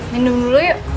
minum dulu yuk